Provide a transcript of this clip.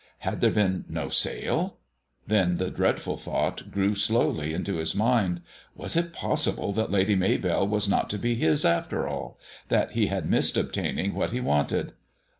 Had there been no sale? Then the dreadful thought grew slowly into his mind. Was it possible that Lady Maybell was not to be his, after all that he had missed obtaining what he wanted?